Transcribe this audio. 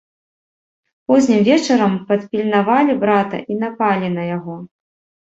Познім вечарам падпільнавалі брата і напалі на яго.